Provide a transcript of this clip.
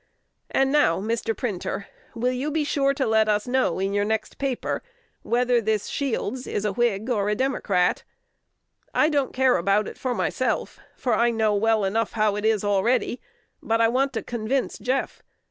And now, Mr. Printer, will you be sure to let us know in your next paper whether this Shields is a Whig or a Democrat? I don't care about it for myself, for I know well enough how it is already; but I want to convince Jeff.